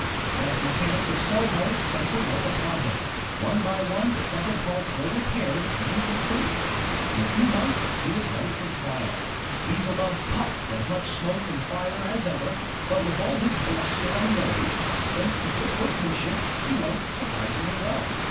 The best mechanics of Soho set to work upon him. One by one the separate parts were repaired and improved. jameTs watt 19 In a few months, he was ready for trial. Beelzebub puffed as much smoke and fire as ever, but with all his bluster and noise, — thanks to good workmanship, he went surprisingly well.